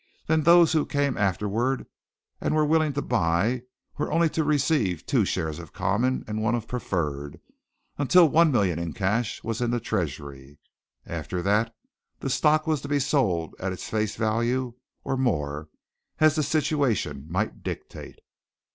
Then those who came afterward and were willing to buy were only to receive two shares of common and one of preferred, until one million in cash was in the treasury. After that the stock was to be sold at its face value, or more, as the situation might dictate.